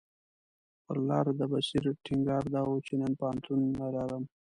پر لاره د بصیر ټینګار دا و چې نن پوهنتون نه لرم.